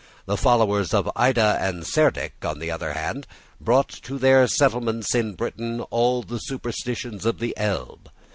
The followers of Ida and Cerdic, on the other hand, brought to their settlements in Britain all the superstitions of the Elbe.